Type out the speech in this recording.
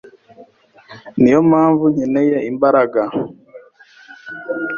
Niyo mpamvu nkeneye imbaraga